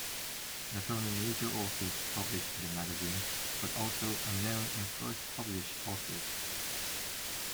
Not only major authors published in the magazine, but also unknown and first-published authors.